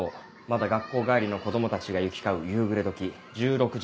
まだ学校帰りの子供たちが行き交う夕暮れ時１６時１５分。